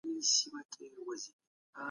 که ناروغي جدي شي، پښتورګي له کاره غورځېږي.